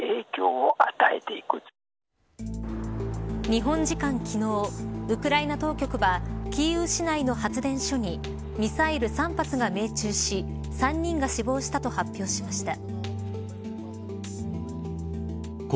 日本時間昨日ウクライナ当局はキーウ市内の発電所にミサイル３発が命中し３人が死亡したと発表しました。